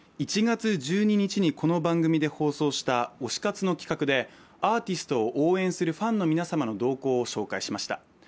１月１２日にこの番組で放送した推し活の企画でアーティストを応援するファンの皆様の動向を紹介しました。